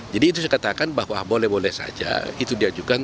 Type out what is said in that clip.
jadi itu saya katakan bahwa boleh boleh saja itu diajukan